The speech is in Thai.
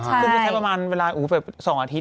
ใช่คือจะใช้ประมาณเวลาอยู่แบบ๒อาทิตย์